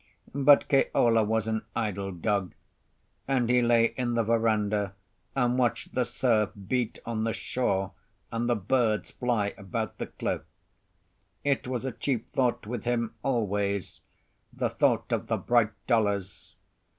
But Keola was an idle dog, and he lay in the verandah and watched the surf beat on the shore and the birds fly about the cliff. It was a chief thought with him always—the thought of the bright dollars.